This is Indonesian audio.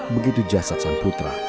begitu jasad sang putra